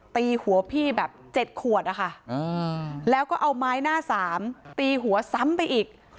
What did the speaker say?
ตีหัวพี่แบบ๗ขวดนะคะแล้วก็เอาไม้หน้าสามตีหัวซ้ำไปอีก